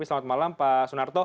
selamat malam pak sunarto